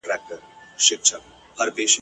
هره شپه له بېخوبۍ څخه کباب سو ..